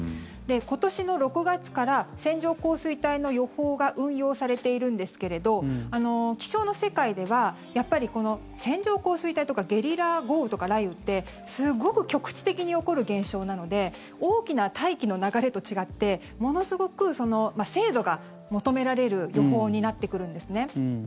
今年の６月から線状降水帯の予報が運用されているんですけれど気象の世界では線状降水帯とかゲリラ豪雨とか雷雨ってすごく局地的に起こる現象なので大きな大気の流れと違ってものすごく、精度が求められる予報になってくるんですね。